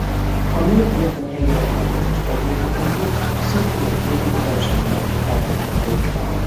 A Maye-börtön helyére tervezett stadion ötletét a szurkolók tiltakozása miatt elvetették.